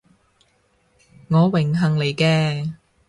我榮幸嚟嘅